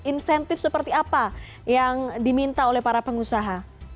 insentif seperti apa yang diminta oleh para pengusaha